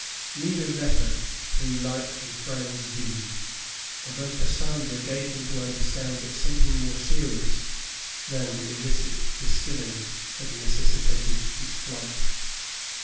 Neither letter threw light on Frale's deed, although Cassandra's gave him to understand that some thing more serious than illicit distilling had necessitated his flight.